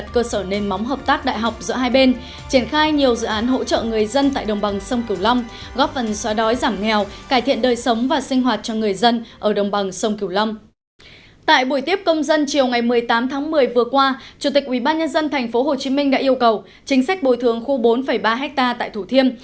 chủ tịch ubnd tp hcm đã yêu cầu chính sách bồi thường khu bốn ba ha tại thủ thiêm